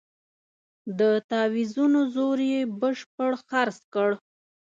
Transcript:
د تاویزونو زور یې بشپړ خرڅ کړ.